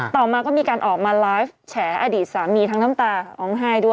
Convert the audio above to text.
ต่อมาก็มีการออกมาไลฟ์แฉอดีตสามีทั้งน้ำตาร้องไห้ด้วย